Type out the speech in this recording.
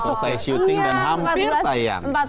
udah selesai syuting dan hampir tayang